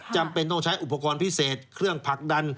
จำเป็นต้องใช้อุปกรณ์พิเศษเครื่องผลักดัน